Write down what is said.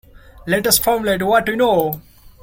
Let us formulate what we know.